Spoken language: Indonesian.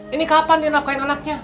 ini kapan dinafkahi anaknya